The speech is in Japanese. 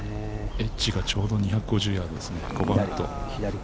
エッジがちょうど２５０ヤードです。